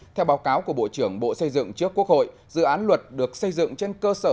theo báo cáo của bộ trưởng bộ xây dựng trước quốc hội dự án luật được xây dựng trên cơ sở